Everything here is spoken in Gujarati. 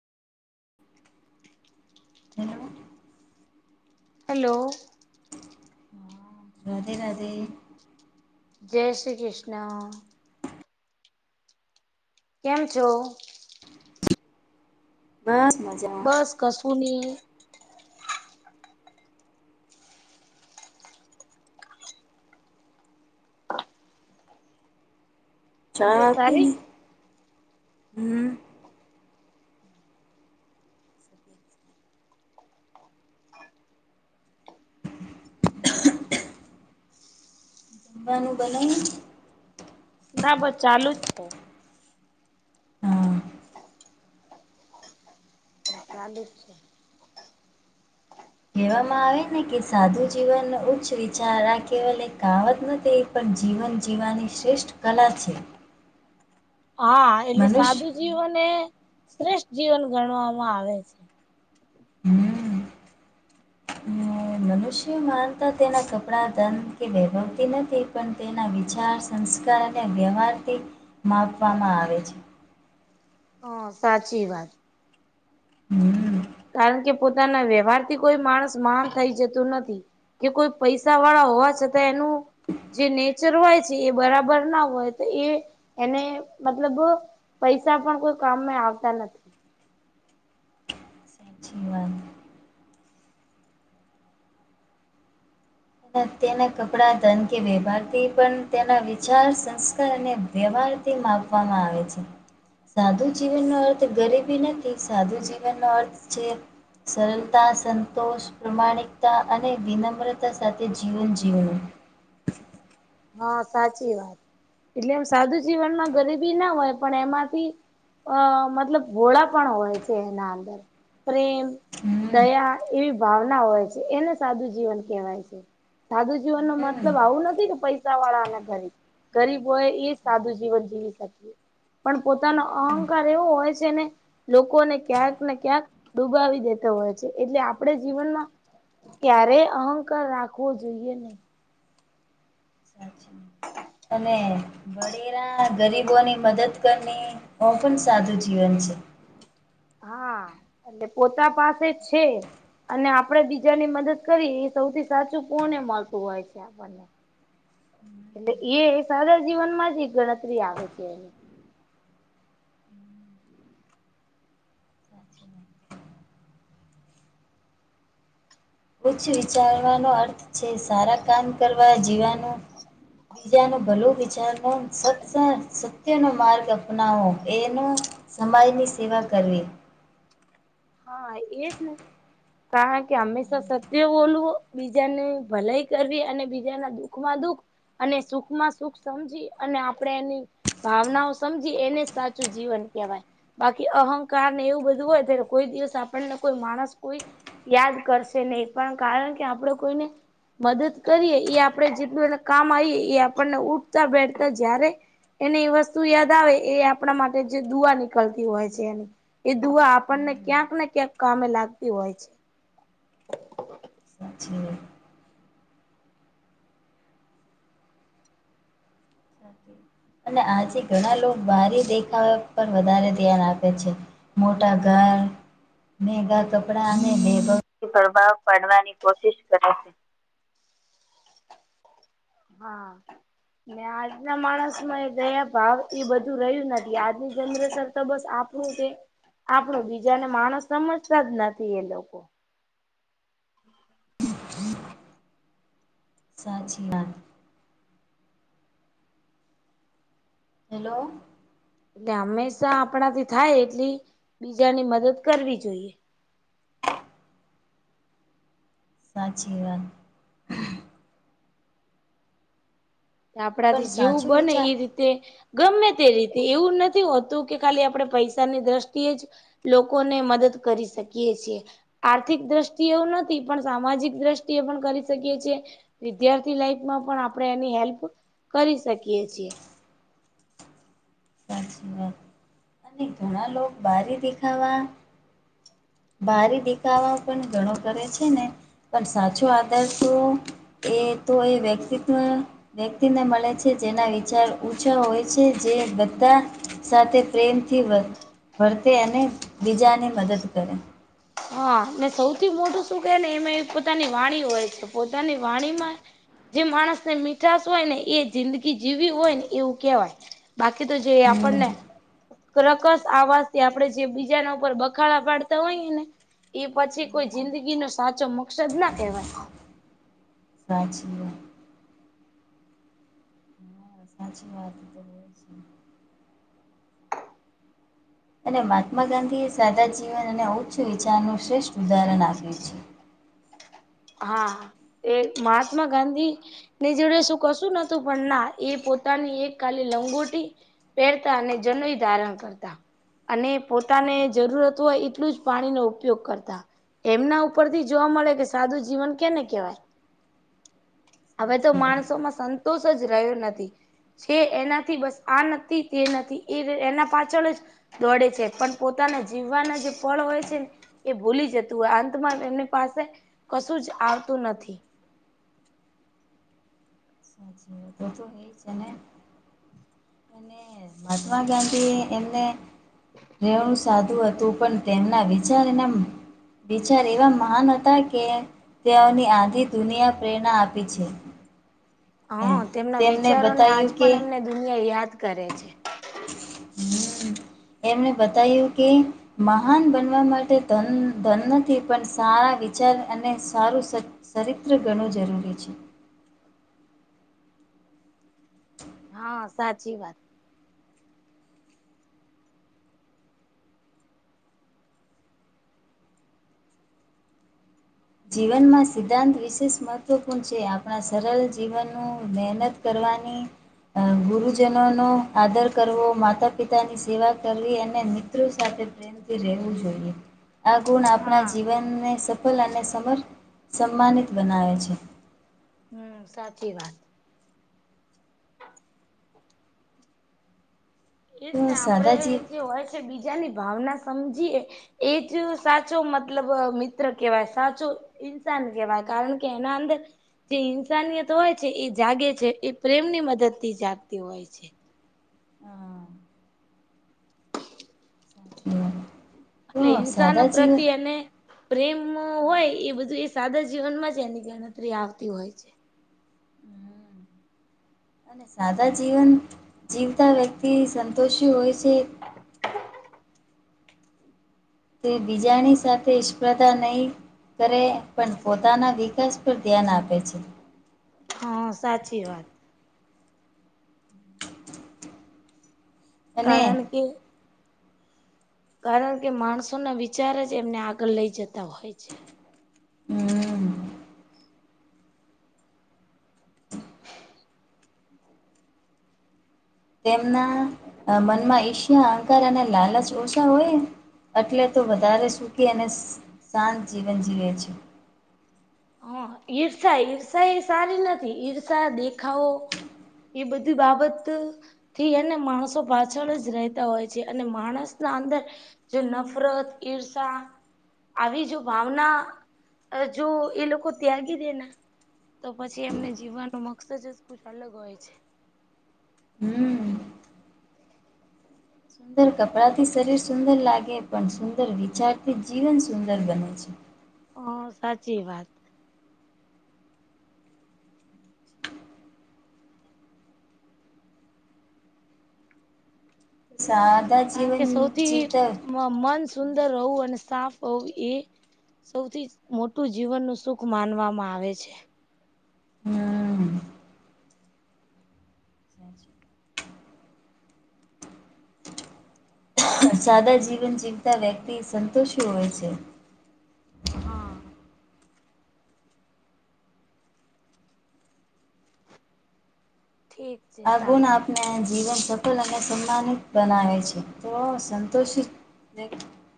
હેલો. હાલો. રાધે રાધે. જય શ્રી કૃષ્ણ. કેમ છો? બસ મજા બસ કસું ની ચા તબિયત આપે સારી ને હમ [inaudible] જમવાનું બનાવ્યુ? ના બસ ચાલુ જ છે. હા. ચાલુ જ છે. કેવામાં આવે ને કે સાધું જીવન ઉચ્ચ વિચારા કેવલ એક કહેવત નથી પણ જીવન જીવવાની શ્રેષ્ઠ કલા છે. હા એટલે મનુષ્ય સાદું જીવન એ શ્રેષ્ઠ જીવન ગણવામાં આવે છે. હમ. મનુષ્ય મહાન તો તેના કપડા, ધન કે વૈભવથી નથી પણ તેના વિચાર સંસ્કાર અને વ્યવહારથી માપવામાં આવે છે. હ સાચી વાત હમ. કારણ કે પોતાના વ્યવહારથી કોઈ માણસ મહાન થઈ જતો નથી. કે કોઈ પૈસા વાળા હોવા છતાં એનું જે નેચર હોય છે, એ બરાબર ના હોય તો એ એને મતલબ પૈસા પણ કોઈ કામે આવતા ન જીવન. અને તેના કપડાં, ધન કે વ્યવહારથી પણ તેના વિચાર, સંસ્કાર અને વ્યવહાર થી માપવામાં આવે છે. સાદું જીવનનો અર્થ ગરીબી નથી સાદું જીવનનો અર્થ છે. સરલતા, સંતોષ, પ્રમાણિકતા અને વિનમ્રતા સા થે જીવન જીવવુ હ સાચી વાત એટલે એમ સાદુ જીવનમાં ગરીબી ના હોય પણ એમાંથી અ મતલબ ભોળા પણ હોય છે, એના અંદર પ્રેમ, હમ્મ, દયા એવી ભાવના હોય છે, એને સાદું જીવન કહેવાય છે. સાધુ જીવનનો હમ્મ, મતલબ આવું નથી કે પૈ સા વાળાના ધરે ગરીબ હોય એ સાદું જીવન જીવી શકે પણ પોતાનો હમ્મ. અહંકાર એવો હોય છે, ને લોકોને ક્યાંક ને ક્યાંક ડુબાવી દેતો હોય છે, એટલે આપણે જીવનમાં ક્યારે અહંકાર રાખવો જોઈએ નહી. સાચી [unintelligible] અને વળેરા ગરીબોની મદદ કરને ઓ પણ સાદું જીવન છે. હા [unintelligible] પોતા પાસે છે. અને આપણેે બીજાની મદદ કરી એ સૌથી સાચું પુણ્ય મળતું હોય છે આપણને એટલે એ એ સારા જીવન માં જ ઈ ગણતરી આવે છે. [unintelligible] ઉછ વિચારવાનો અર્થ છે સારા કામ કરવા જીવાનું બીજા નું ભલુ વિચારવુ સત સત્યનો માર્ગ અપનાવો એનો સમાજની સેવા કરવી હા એજ ને કારણ કે હંમેશા સત્ય બોલવો બીજાની ભલાઈ કરવી અને બીજાના દુખ માં દુઃખ અને સુખમાં સુખ સમજી અને આપણે એની ભાવનાઓ સમજી એને સાચું જીવન કેહેવાય બાકી અહંકાર ને એવું બધું હોય તેને કોઈ દિવસ આપણને કોઈ માણસ કોઈ યાદ કરશે નહી પણ કારણ કે આપડે કોઈને મદદ કરીએ એ આપણે જેટલું એ કામ આવીએ એ આપણને ઉઠતા બેઠતા જ્યારે એને એ વસ્તુ યાદ આવે એ આપણા માટે જે દુઆ નીકળતી હોય છે એ દુઆ આપણને હમ ક્યાંક ને ક્યાંક કામે લાગતી હોય છે. [unintelligible] અને આજે ઘણા લોકો બારી દેખાવ પર વધારે ધ્યાન આપે છે. મોટા ઘર મેગા કપડા અને [unintelligible] કોશિશ કરે છે. હા આજના માણસ માં દયા ભાવ એ બધું રહ્યું નથી આજની જનરેશન તો બસ આપ [unintelligible] આપણો બીજાને માણસ સમજતા જ નથી એ લોકો સાચી વાત હેલો એટલે હંમેશા આપણાથી થાય એટલી બીજાની મદદ કરવી જોઈએ. સાચી વાત ને આપડા પણ થી જેવું સાચું બને વિચાર એ રીતે ગમે તે રીતે એવું નથી હોતું કે ખાલી આપણે પૈસાની દ્રષ્ટિએ જ લોકોને મદદ કરી શકીએ છીએ. આર્થિક દ્રષ્ટિ એવું નથી પણ સામાજિક દ્રષ્ટિએ પણ કરી શકીએ છીએ. વિદ્યાર્થી લાઈફમાં પણ આપણે એની હેલ્પ કરી શકીએ છીએ. સાચી વાત અને ઘણા લોક બારી દેખાવા બારી દેખાવા પણ ઘણો કરે છે ને પણ સાચો આધાર તો એ તો એ [unintelligible] વ્યક્તિને મળે છે જેના વિચાર ઉચા હોય છે જે બધા સાથે પ્રેમથી વર્તે અને બીજાને મદદ કરે. હા ને સૌથી મોટું શું કે ને એમાં પોતાની વાણી હોય છે પોતાની વાણીમાં જે માણસને મીઠાશ હોય ને એ જિંદગી જીવી હોય ને એવું કેવાય. બાકી તો જે હમ આપણને [unintelligible] આવાજથી જે બીજાના ઉપર બખાડાા પાડતા હોઈને એ પછી કોઈ હમ જિંદગી નો સાચો મકસદ ના કેવાય. સાચી વાત સાચી વાત એ તો હોય છે. અને મહાત્મા ગાંધી એ સાદા જીવન અને ઉચ્ચ વિચારનું શ્રેષ્ઠ ઉદાહરણ આપ્યું છે. હા એ મહાત્મા ગાંધી ની જોડે શું કશું નતું પણ ના એ પોતાની એક ખાલી લંગોટી પહેરતા અને જનોઈ ધારણ કરતા અને પોતાને જરૂરત હોય એટલું જ પાણીનો ઉપયોગ કરતા. એમના ઉપરથી જોવા મળે કે સાદું જીવન કેને કેવાય, હવે તો સાચી વાત માણસોમાં સં તોષ જ રહ્યો નથી. છે એનાથી બસ આ નથી તે નથી એ એના પાછળ જ દોડે છે પણ પોતાના જીવવાના જે પળ હોય છેને એ ભૂલી જતું અંતમાં એમની પાસે કશું જ આવતું નથી. સાચી તો તો એ છે ને [unintelligible] [inaudible] અને મહાત્મા ગાંધીએ એમને [inaudible] સાદું હતું પણ તેમના વિચાર એનાએમ વિચાર એવા મહાન હતા કે તેઓની આંધી દુનિયા પ્રેરણા આપી છે. અ હા, તેમના તેમને વિચારોને આજ બતાયું કે પણ હમ એમને દુનિયા યાદ કરે છે. હમ્મ એમને બધા એવું કે મહાન બનવા માટે ધન ધન નથી પણ સારા વિચાર અને સારું સ- સરિત્ર ઘણું જરૂરી છે. હા, સાચી વાત. જીવનમાં સિદ્ધાંત વિશેષ મહત્ત્વપૂર્ણ છે, આપણા સરળ જીવનનું મહેનત કરવાની અ ગુરુજનોનો આદર કરવો, માતા-પિતાની સેવા કરવી અને મિત્રો સાથે પ્રે મથી રહેવું જોઈએ. આ ગુણ આપણા હા જીવનને સફળ અને સમર-સમાનિત બનાવે છે. હમ્મ સાચી વાત. તો એજને સાદા જી આપણે જે હોય છે બીજાની ભાવના સમજીએ એજ સાચો મતલબ મિત્ર કેવાય સાચો ઇન્સાન કેવાય કારણ કે એના અંદર જે ઇન્સાનિયત હોય છે, એ જાગે છે એ પ્રેમની મદદથી જાગતી હોય છે. સાચી વાત. એટલે હિંસાનો પ્રતિ એને પ્રેમ હોયએ બધું એ સાદા જીવનમાં જ એની ગણતરી આવતી હોય છે. અને સાદા જીવન જીવતા વ્યક્તિ સંતોષી હોય છે. [inaudible] તે બીજાની સાથે જ પ્રદાન નહીં કરે પણ પોતાના વિકાસ પર ધ્યાન આપે છે. હા, સાચી વાત. અને કારણ કે કારણ કે માણસોના વિચાર જ એમને આગળ લઈ જતા હોય છે. હમ્મ. તેમના મનમાં ઈશ્યા, અહંકાર અને લાલચ ઓછા હોયેને અટલે તો વધારે સુખી અને શાંત જીવન જીવે છે. હ ઈર્ષા ઈર્ષા એ સારી નથી ઈર્ષા, દેખાવો એ બધી બાબત થી હેને માણસો પાછળ જ રહેતા હોય છે અને માણસના અંદર જો નફરત, ઈર્ષા આવી જો ભાવના જો એ લોકો ત્યાગી દેને તો પછી એમને જીવવાનો મકસદ જ કુછ અલગ હોય છે. હમ સુંદર કપડાથી શરીર સુંદર લાગે પણ સુંદર વિચારથી જીવન સુંદર બને છે. હ સાચી વાત. સારુ કારણ કે સૌથી મ મન સુંદર રહવું અને સાફ હોવું એ સૌથી મોટું જીવન નું સુખ માનવામાં આવે છે. હમ. સાદા જીવન જીવતા વ્યક્તિ સંતોષી હોય છે. હા. ઠીક. છે સારું [unintelligible] જીવન સફળ અને સન્માનિત બનાવે છે તો સંતોષિત